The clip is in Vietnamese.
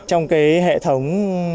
trong hệ thống